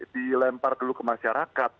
dilempar dulu ke masyarakat